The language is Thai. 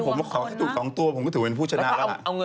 เจ้าเมื่อ